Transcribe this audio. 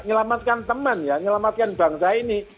menyelamatkan teman ya menyelamatkan bangsa ini